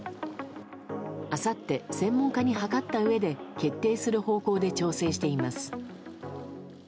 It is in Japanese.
あさって、専門家に諮ったうえで決定する方向で調整しています。